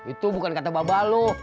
itu bukan kata babaloh